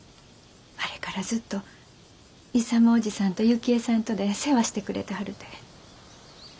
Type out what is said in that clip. あれからずっと勇叔父さんと雪衣さんとで世話してくれてはるて。